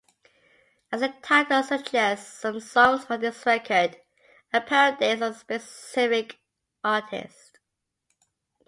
As the title suggests, some songs on this record are parodies of specific artists.